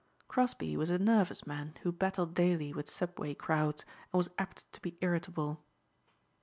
Crosbeigh was a nervous man who battled daily with subway crowds and was apt to be irritable.